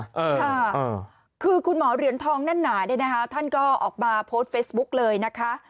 อ่าค่ะคือคุณหมอเหรียญทองแน่นหนาเนี่ยนะคะท่านก็ออกมาโพสต์เฟซบุ๊กเลยนะคะ